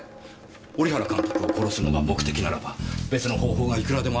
織原監督を殺すのが目的ならば別の方法がいくらでもあったはずです。